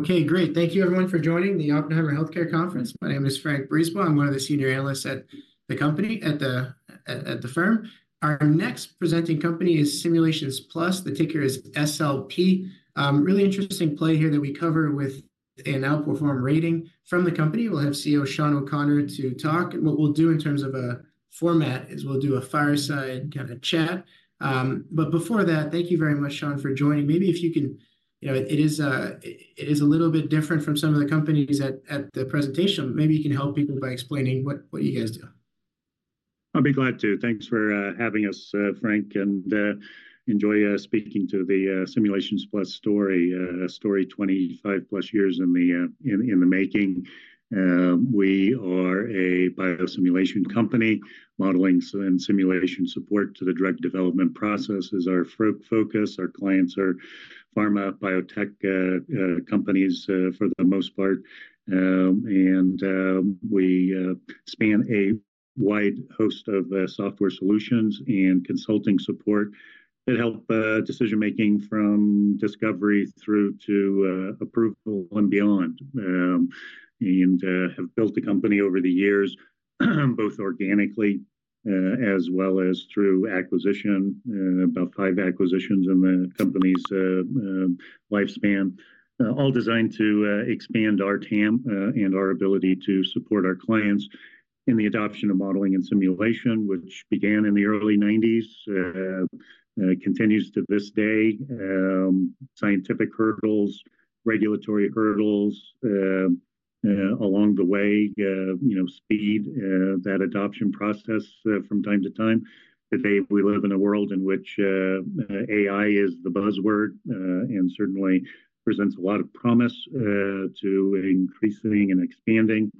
Okay, great. Thank you, everyone, for joining the Oppenheimer Healthcare Conference. My name is François Brisebois. I'm one of the senior analysts at the company, at the firm. Our next presenting company is Simulations Plus. The ticker is SLP. Really interesting play here that we cover with an Outperform rating from the company. We'll have CEO Shawn O'Connor to talk. And what we'll do in terms of a format is we'll do a fireside kind of chat. But before that, thank you very much, Shawn, for joining. Maybe if you can—it is a little bit different from some of the companies at the presentation. Maybe you can help people by explaining what you guys do. I'll be glad to. Thanks for having us, Frank. And enjoy speaking to the Simulations Plus story, a story 25+ years in the making. We are a biosimulation company, modeling and simulation support to the drug development process is our focus. Our clients are pharma biotech companies for the most part. We span a wide host of software solutions and consulting support that help decision-making from discovery through to approval and beyond. Have built the company over the years, both organically as well as through acquisition - about 5 acquisitions in the company's lifespan - all designed to expand our TAM and our ability to support our clients in the adoption of modeling and simulation, which began in the early 1990s, continues to this day. Scientific hurdles, regulatory hurdles along the way, speed that adoption process from time to time. Today, we live in a world in which AI is the buzzword and certainly presents a lot of promise to increasing and expanding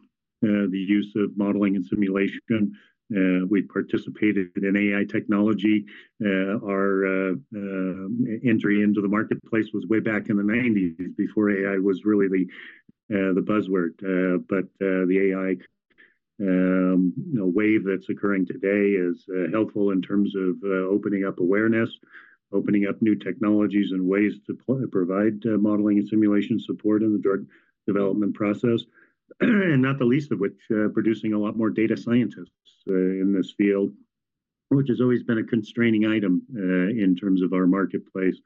the use of modeling and simulation. We've participated in AI technology. Our entry into the marketplace was way back in the 1990s before AI was really the buzzword. But the AI wave that's occurring today is helpful in terms of opening up awareness, opening up new technologies and ways to provide modeling and simulation support in the drug development process, and not the least of which producing a lot more data scientists in this field, which has always been a constraining item in terms of our marketplace.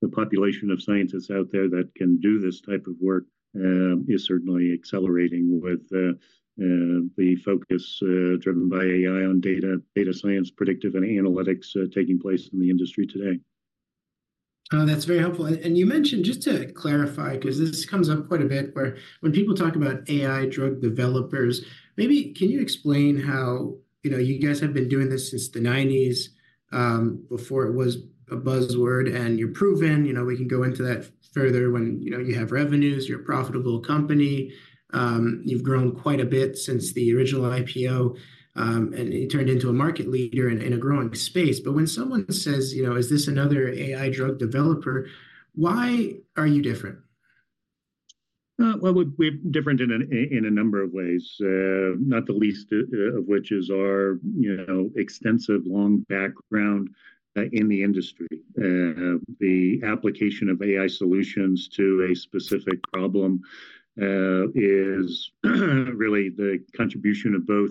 The population of scientists out there that can do this type of work is certainly accelerating with the focus driven by AI on data science, predictive analytics taking place in the industry today. That's very helpful. You mentioned, just to clarify, because this comes up quite a bit, where when people talk about AI drug developers, maybe can you explain how you guys have been doing this since the '90s, before it was a buzzword, and you're proven. We can go into that further when you have revenues, you're a profitable company, you've grown quite a bit since the original IPO, and you turned into a market leader in a growing space. When someone says, "Is this another AI drug developer?" why are you different? Well, we're different in a number of ways, not the least of which is our extensive long background in the industry. The application of AI solutions to a specific problem is really the contribution of both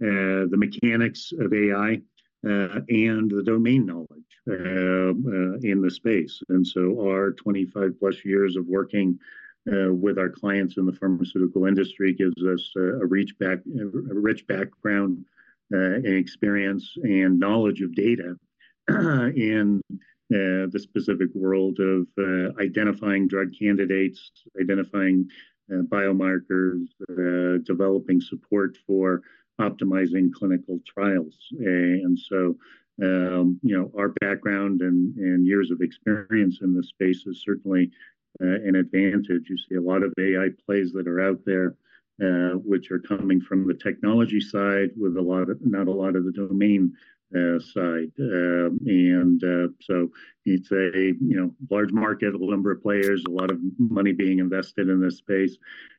the mechanics of AI and the domain knowledge in the space. And so our 25+ years of working with our clients in the pharmaceutical industry gives us a rich background and experience and knowledge of data in the specific world of identifying drug candidates, identifying biomarkers, developing support for optimizing clinical trials. And so our background and years of experience in this space is certainly an advantage. You see a lot of AI plays that are out there, which are coming from the technology side with not a lot of the domain side. And so it's a large market, a number of players, a lot of money being invested in this space.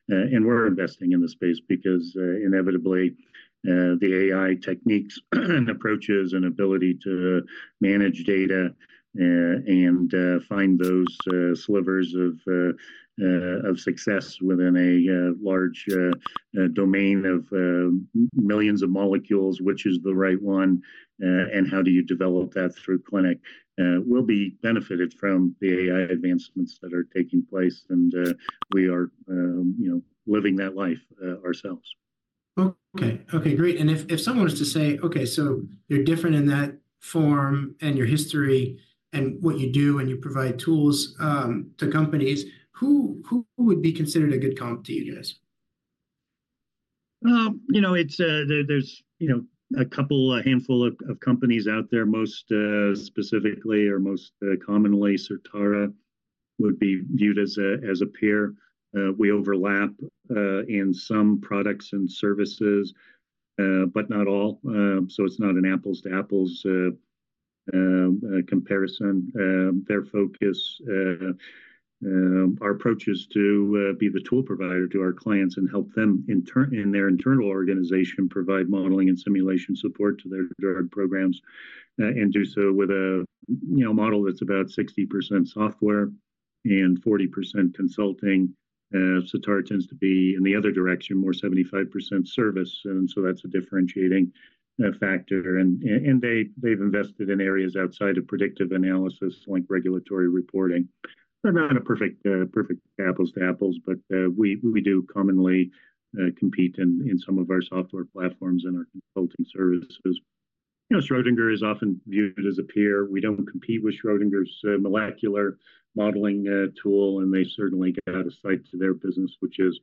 We're investing in the space because, inevitably, the AI techniques and approaches and ability to manage data and find those slivers of success within a large domain of millions of molecules, which is the right one, and how do you develop that through clinic, will be benefited from the AI advancements that are taking place. We are living that life ourselves. Okay. Okay, great. And if someone was to say, "Okay, so you're different in that form and your history and what you do and you provide tools to companies," who would be considered a good comp to you guys? There's a couple handful of companies out there. Most specifically or most commonly, Certara would be viewed as a peer. We overlap in some products and services, but not all. So it's not an apples-to-apples comparison. Our approach is to be the tool provider to our clients and help them in their internal organization provide modeling and simulation support to their drug programs, and do so with a model that's about 60% software and 40% consulting. Certara tends to be in the other direction, more 75% service. And so that's a differentiating factor. And they've invested in areas outside of predictive analysis like regulatory reporting. They're not a perfect apples-to-apples, but we do commonly compete in some of our software platforms and our consulting services. Schrödinger is often viewed as a peer. We don't compete with Schrödinger's molecular modeling tool, and they certainly got a side to their business, which is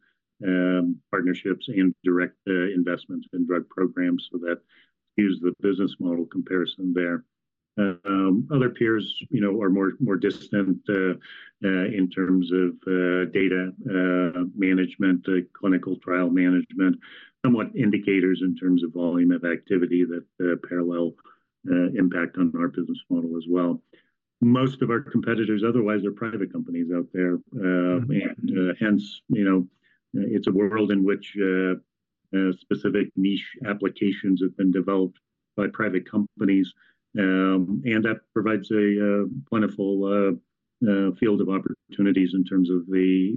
partnerships and direct investments in drug programs. So skews the business model comparison there. Other peers are more distant in terms of data management, clinical trial management, somewhat indicative in terms of volume of activity that parallel impact on our business model as well. Most of our competitors otherwise are private companies out there. And hence, it's a world in which specific niche applications have been developed by private companies. And that provides a wonderful field of opportunities in terms of the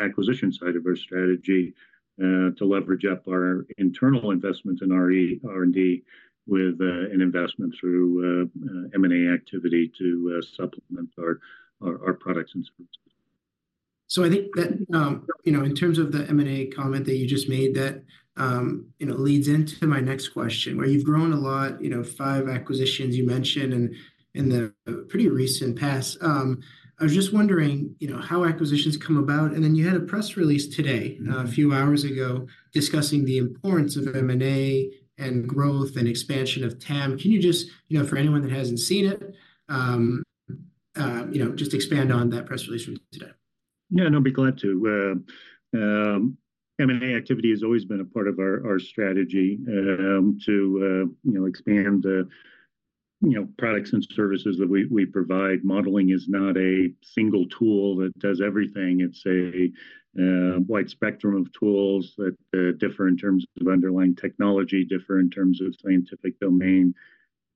acquisition side of our strategy to leverage up our internal investment in R&D with an investment through M&A activity to supplement our products and services. So I think that in terms of the M&A comment that you just made, that leads into my next question, where you've grown a lot, 5 acquisitions you mentioned in the pretty recent past. I was just wondering how acquisitions come about. And then you had a press release today a few hours ago discussing the importance of M&A and growth and expansion of TAM. Can you just, for anyone that hasn't seen it, just expand on that press release from today? Yeah, no, I'll be glad to. M&A activity has always been a part of our strategy to expand products and services that we provide. Modeling is not a single tool that does everything. It's a wide spectrum of tools that differ in terms of underlying technology, differ in terms of scientific domain,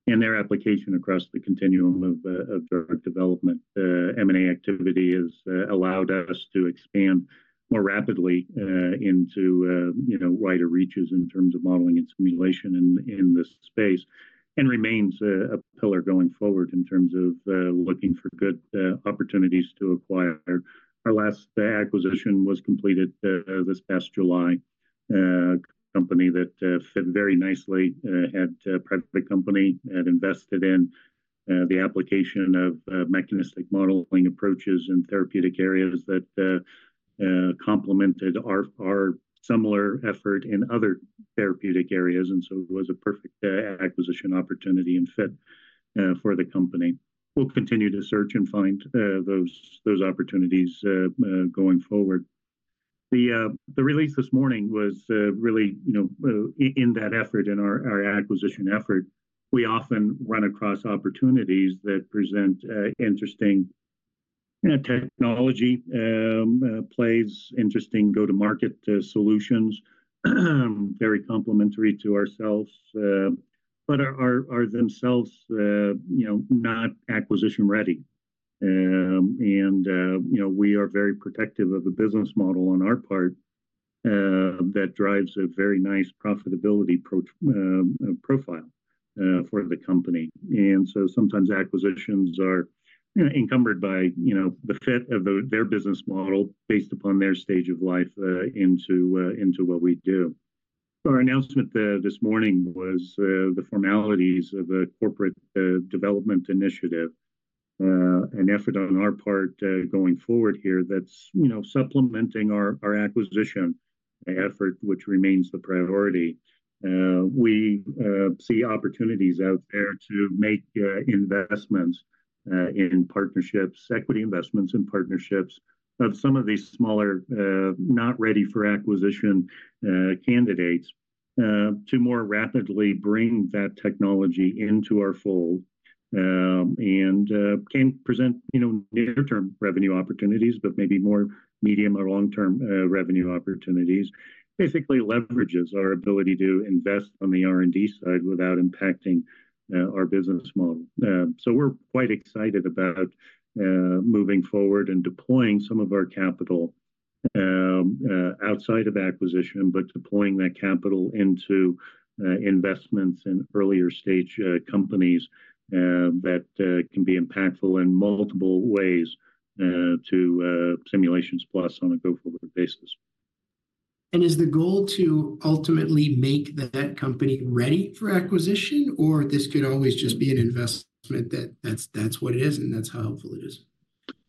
and their application across the continuum of drug development. M&A activity has allowed us to expand more rapidly into wider reaches in terms of modeling and simulation in this space and remains a pillar going forward in terms of looking for good opportunities to acquire. Our last acquisition was completed this past July. A company that fit very nicely had a private company that invested in the application of mechanistic modeling approaches in therapeutic areas that complemented our similar effort in other therapeutic areas. And so it was a perfect acquisition opportunity and fit for the company. We'll continue to search and find those opportunities going forward. The release this morning was really in that effort, in our acquisition effort, we often run across opportunities that present interesting technology plays, interesting go-to-market solutions, very complementary to ourselves, but are themselves not acquisition-ready. We are very protective of the business model on our part that drives a very nice profitability profile for the company. So sometimes acquisitions are encumbered by the fit of their business model based upon their stage of life into what we do. Our announcement this morning was the formalities of a corporate development initiative, an effort on our part going forward here that's supplementing our acquisition effort, which remains the priority. We see opportunities out there to make investments in partnerships, equity investments in partnerships of some of these smaller not-ready-for-acquisition candidates to more rapidly bring that technology into our fold and can present near-term revenue opportunities, but maybe more medium or long-term revenue opportunities. Basically, leverages our ability to invest on the R&D side without impacting our business model. So we're quite excited about moving forward and deploying some of our capital outside of acquisition, but deploying that capital into investments in earlier-stage companies that can be impactful in multiple ways to Simulations Plus on a go-forward basis. Is the goal to ultimately make that company ready for acquisition, or this could always just be an investment that that's what it is and that's how helpful it is?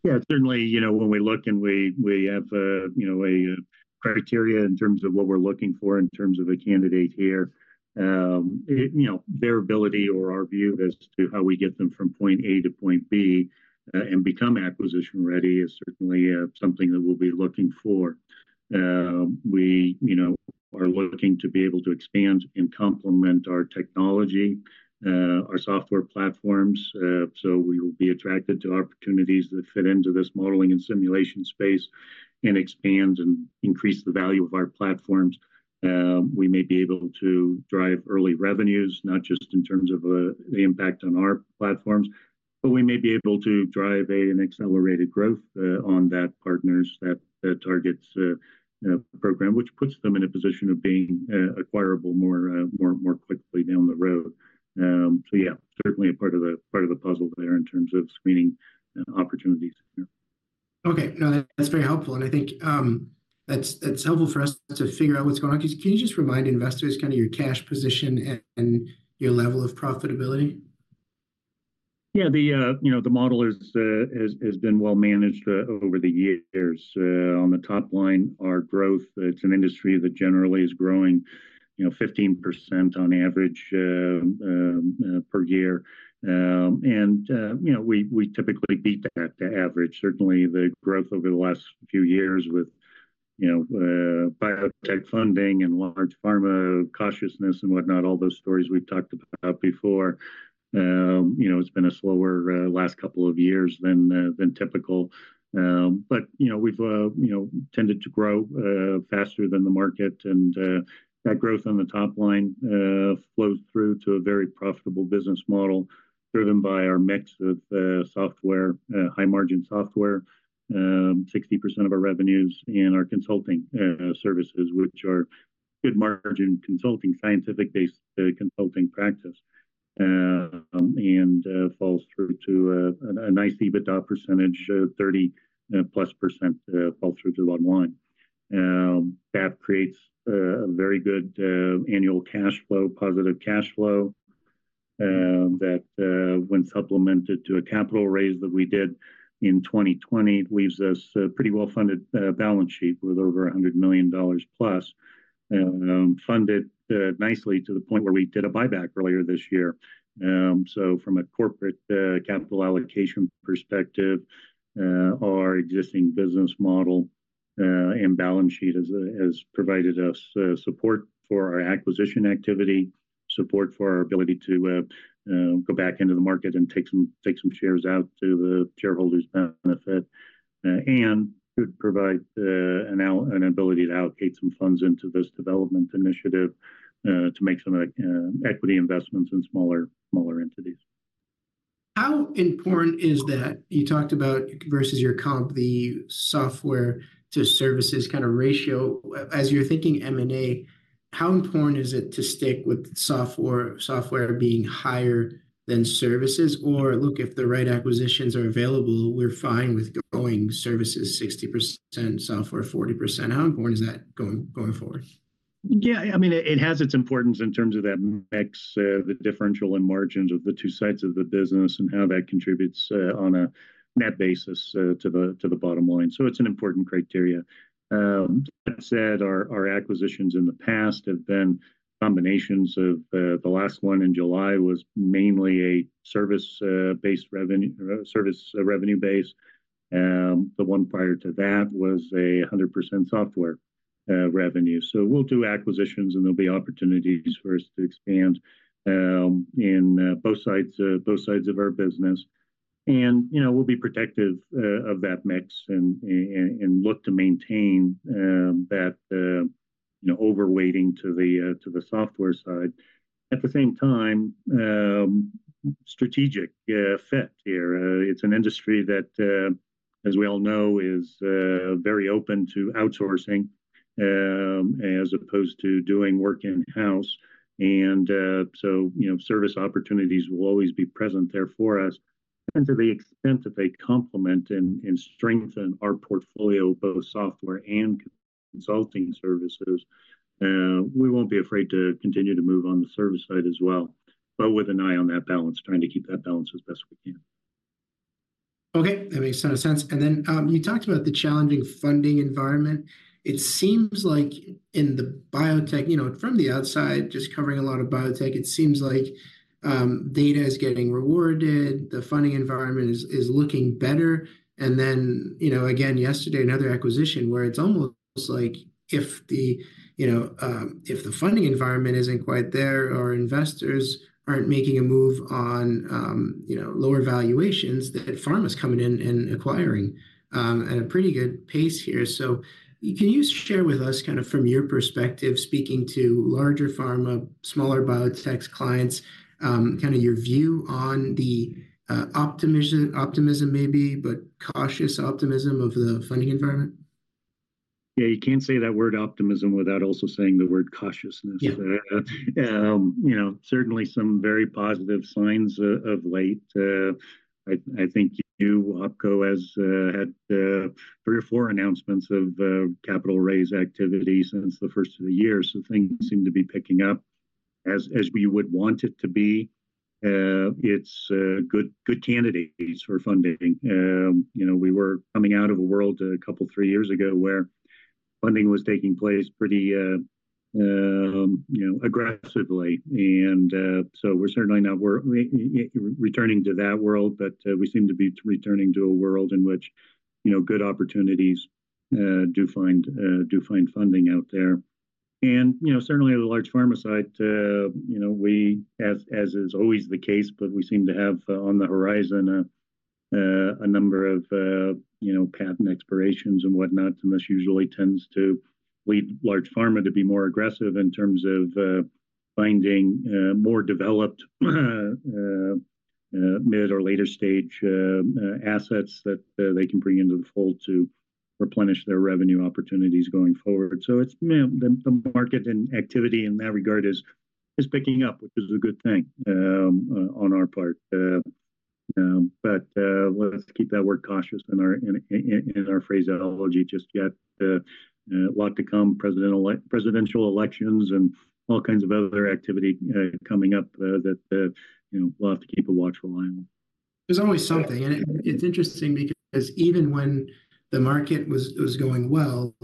Yeah, certainly. When we look and we have a criteria in terms of what we're looking for in terms of a candidate here, their ability or our view as to how we get them from point A to point B and become acquisition-ready is certainly something that we'll be looking for. We are looking to be able to expand and complement our technology, our software platforms. So we will be attracted to opportunities that fit into this modeling and simulation space and expand and increase the value of our platforms. We may be able to drive early revenues, not just in terms of the impact on our platforms, but we may be able to drive an accelerated growth on that partners' targets program, which puts them in a position of being acquirable more quickly down the road. So yeah, certainly a part of the puzzle there in terms of screening opportunities here. Okay. No, that's very helpful. I think that's helpful for us to figure out what's going on. Can you just remind investors kind of your cash position and your level of profitability? Yeah, the model has been well managed over the years. On the top line, our growth, it's an industry that generally is growing 15% on average per year. We typically beat that average. Certainly, the growth over the last few years with biotech funding and large pharma cautiousness and whatnot, all those stories we've talked about before, it's been a slower last couple of years than typical. We've tended to grow faster than the market. That growth on the top line flows through to a very profitable business model driven by our mix of high-margin software, 60% of our revenues, and our consulting services, which are good-margin consulting, scientific-based consulting practice, and falls through to a nice EBITDA percentage, 30+% falls through to the bottom line. That creates a very good annual cash flow, positive cash flow that, when supplemented to a capital raise that we did in 2020, leaves us a pretty well-funded balance sheet with over $100 million+, funded nicely to the point where we did a buyback earlier this year. So from a corporate capital allocation perspective, our existing business model and balance sheet has provided us support for our acquisition activity, support for our ability to go back into the market and take some shares out to the shareholders' benefit, and could provide an ability to allocate some funds into this development initiative to make some equity investments in smaller entities. How important is that? You talked about versus your comp, the software-to-services kind of ratio. As you're thinking M&A, how important is it to stick with software being higher than services? Or look, if the right acquisitions are available, we're fine with going services 60%, software 40%. How important is that going forward? Yeah, I mean, it has its importance in terms of that mix, the differential and margins of the two sides of the business and how that contributes on a net basis to the bottom line. So it's an important criteria. That said, our acquisitions in the past have been combinations of the last one in July was mainly a service-based revenue revenue-based. The one prior to that was a 100% software revenue. So we'll do acquisitions, and there'll be opportunities for us to expand in both sides of our business. And we'll be protective of that mix and look to maintain that overweighting to the software side. At the same time, strategic fit here. It's an industry that, as we all know, is very open to outsourcing as opposed to doing work in-house. And so service opportunities will always be present there for us. To the extent that they complement and strengthen our portfolio, both software and consulting services, we won't be afraid to continue to move on the service side as well, but with an eye on that balance, trying to keep that balance as best we can. Okay. That makes a lot of sense. Then you talked about the challenging funding environment. It seems like in the biotech, from the outside, just covering a lot of biotech, it seems like data is getting rewarded, the funding environment is looking better. Then again, yesterday, another acquisition where it's almost like if the funding environment isn't quite there or investors aren't making a move on lower valuations, that pharma is coming in and acquiring at a pretty good pace here. So can you share with us kind of from your perspective, speaking to larger pharma, smaller biotech clients, kind of your view on the optimism maybe, but cautious optimism of the funding environment? Yeah, you can't say that word optimism without also saying the word cautiousness. Certainly, some very positive signs of late. I think you, OpCo, have had three or four announcements of capital raise activity since the first of the year. So things seem to be picking up as we would want it to be. It's good candidates for funding. We were coming out of a world a couple, three years ago where funding was taking place pretty aggressively. And so we're certainly not returning to that world, but we seem to be returning to a world in which good opportunities do find funding out there. And certainly, on the large pharma side, as is always the case, but we seem to have on the horizon a number of patent expirations and whatnot. This usually tends to lead large pharma to be more aggressive in terms of finding more developed mid or later-stage assets that they can bring into the fold to replenish their revenue opportunities going forward. The market and activity in that regard is picking up, which is a good thing on our part. But let's keep that word cautious in our phraseology just yet. A lot to come, presidential elections and all kinds of other activity coming up that we'll have to keep a watchful eye on. There's always something. And it's interesting because even when the market was going well,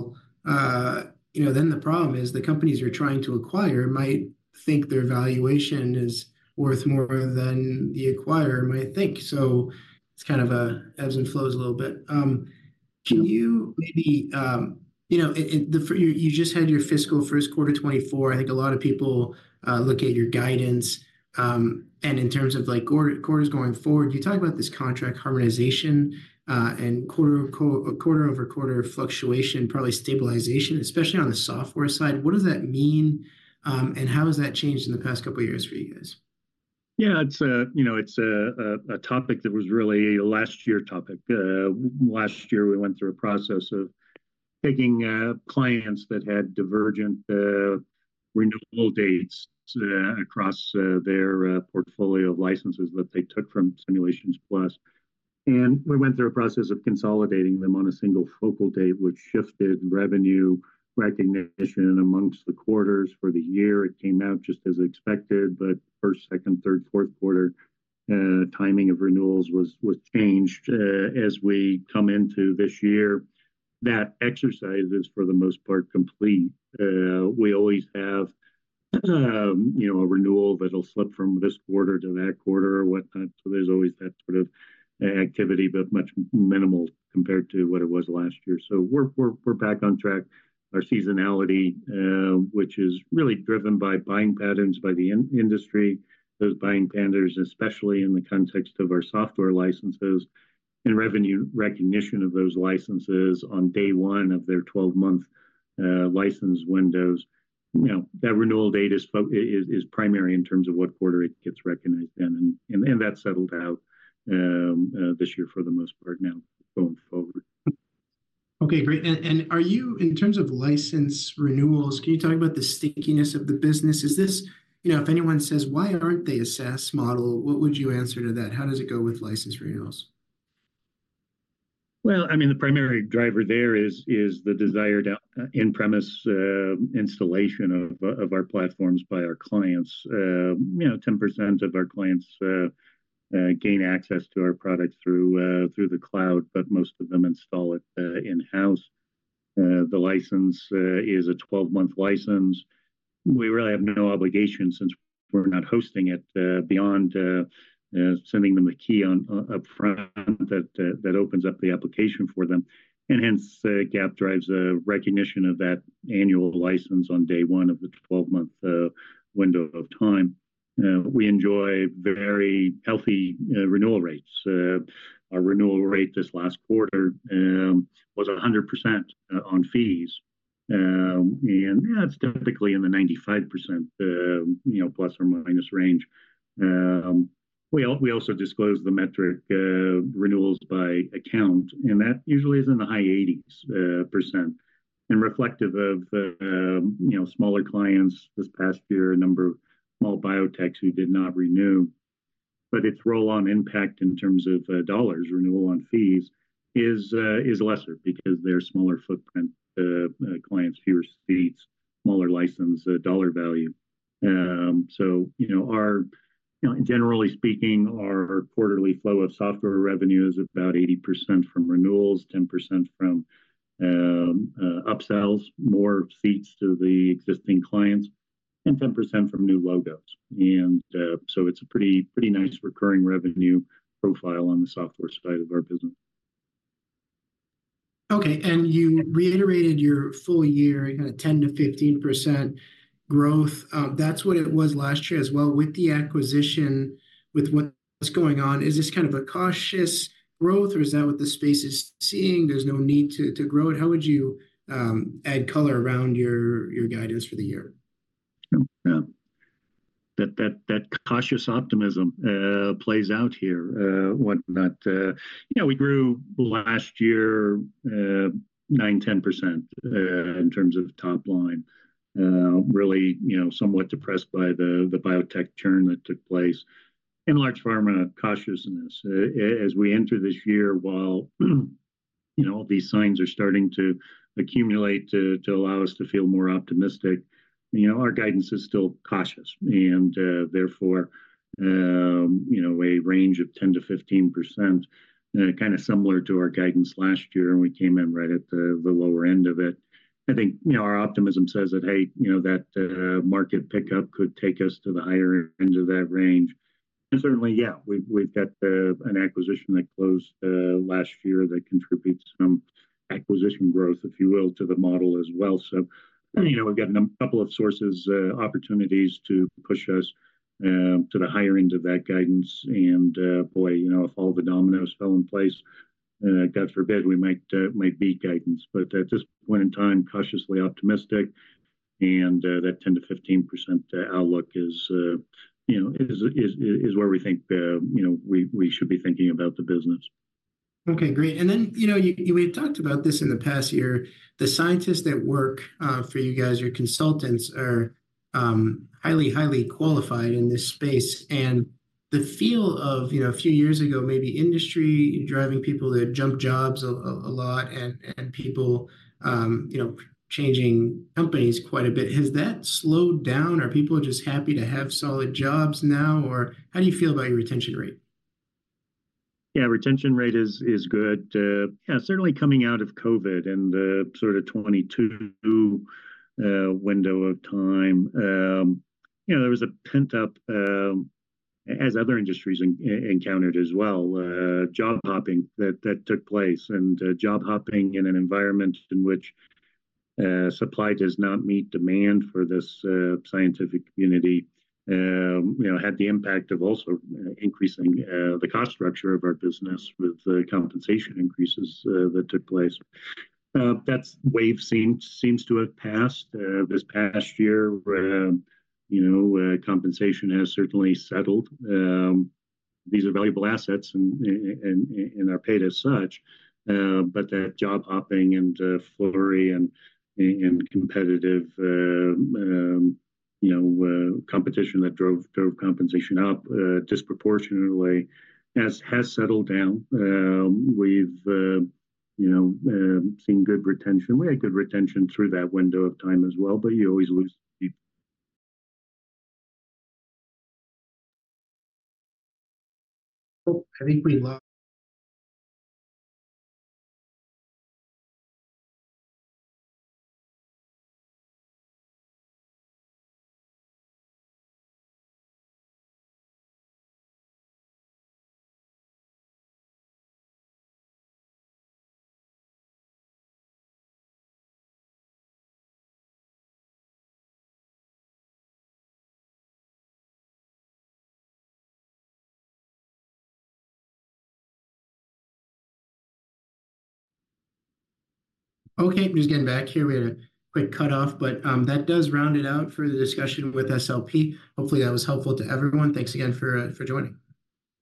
then the problem is the companies you're trying to acquire might think their valuation is worth more than the acquirer might think. So it's kind of ebbs and flows a little bit. Can you maybe you just had your fiscal first quarter 2024. I think a lot of people look at your guidance. And in terms of quarters going forward, you talk about this contract harmonization and quarter-over-quarter fluctuation, probably stabilization, especially on the software side. What does that mean, and how has that changed in the past couple of years for you guys? Yeah, it's a topic that was really a last-year topic. Last year, we went through a process of taking clients that had divergent renewal dates across their portfolio of licenses that they took from Simulations Plus. We went through a process of consolidating them on a single focal date, which shifted revenue recognition among the quarters for the year. It came out just as expected, but first, second, third, fourth quarter, timing of renewals was changed as we come into this year. That exercise is, for the most part, complete. We always have a renewal that'll slip from this quarter to that quarter or whatnot. So there's always that sort of activity, but much minimal compared to what it was last year. So we're back on track. Our seasonality, which is really driven by buying patterns by the industry, those buying patterns, especially in the context of our software licenses and revenue recognition of those licenses on day one of their 12-month license windows. That renewal date is primary in terms of what quarter it gets recognized in. That's settled out this year, for the most part, now going forward. Okay. Great. In terms of license renewals, can you talk about the stickiness of the business? If anyone says, "Why aren't they a SaaS?" model, what would you answer to that? How does it go with license renewals? Well, I mean, the primary driver there is the desired on-premise installation of our platforms by our clients. 10% of our clients gain access to our products through the cloud, but most of them install it in-house. The license is a 12-month license. We really have no obligation since we're not hosting it beyond sending them the key upfront that opens up the application for them. And hence, GAAP drives recognition of that annual license on day one of the 12-month window of time. We enjoy very healthy renewal rates. Our renewal rate this last quarter was 100% on fees. And yeah, it's typically in the 95% plus or minus range. We also disclose the metric renewals by account. And that usually is in the high 80s% and reflective of smaller clients this past year, a number of small biotechs who did not renew. But its role on impact in terms of dollars, renewal on fees, is lesser because they're smaller footprint clients, fewer seats, smaller license dollar value. So generally speaking, our quarterly flow of software revenue is about 80% from renewals, 10% from upsells, more seats to the existing clients, and 10% from new logos. And so it's a pretty nice recurring revenue profile on the software side of our business. Okay. You reiterated your full year, kind of 10%-15% growth. That's what it was last year as well with the acquisition, with what's going on. Is this kind of a cautious growth, or is that what the space is seeing? There's no need to grow it. How would you add color around your guidance for the year? Yeah. That cautious optimism plays out here, whatnot. We grew last year 9%-10% in terms of top line, really somewhat depressed by the biotech churn that took place. In large pharma, cautiousness. As we enter this year, while all these signs are starting to accumulate to allow us to feel more optimistic, our guidance is still cautious. And therefore, a range of 10%-15%, kind of similar to our guidance last year, and we came in right at the lower end of it. I think our optimism says that, "Hey, that market pickup could take us to the higher end of that range." And certainly, yeah, we've got an acquisition that closed last year that contributes some acquisition growth, if you will, to the model as well. So we've got a couple of sources, opportunities to push us to the higher end of that guidance. And boy, if all the dominoes fell in place, God forbid, we might beat guidance. But at this point in time, cautiously optimistic. And that 10%-15% outlook is where we think we should be thinking about the business. Okay. Great. And then we had talked about this in the past year. The scientists that work for you guys, your consultants, are highly, highly qualified in this space. And the feel of a few years ago, maybe industry driving people to jump jobs a lot and people changing companies quite a bit, has that slowed down? Are people just happy to have solid jobs now, or how do you feel about your retention rate? Yeah, retention rate is good. Yeah, certainly coming out of COVID and the sort of 2022 window of time, there was a pent-up, as other industries encountered as well, job hopping that took place. And job hopping in an environment in which supply does not meet demand for this scientific community had the impact of also increasing the cost structure of our business with the compensation increases that took place. That wave seems to have passed. This past year, compensation has certainly settled. These are valuable assets, and they're paid as such. But that job hopping and flurry and competitive competition that drove compensation up disproportionately has settled down. We've seen good retention. We had good retention through that window of time as well, but you always lose people. Well, I think we lost. Okay. I'm just getting back here. We had a quick cutoff, but that does round it out for the discussion with SLP. Hopefully, that was helpful to everyone. Thanks again for joining.